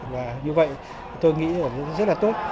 và như vậy tôi nghĩ là rất là tốt